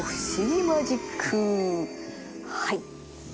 はい。